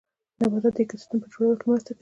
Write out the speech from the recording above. نباتات د ايکوسيستم په جوړولو کې مرسته کوي